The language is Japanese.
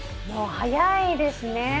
もう早いですね。